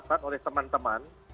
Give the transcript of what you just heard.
catatan oleh teman teman